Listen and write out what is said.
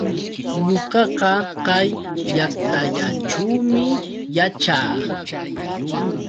Ñuqaqa kay llaqtallaćhuumi yaćhaa.